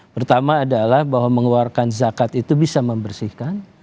pertama adalah bahwa mengeluarkan zakat itu bisa membersihkan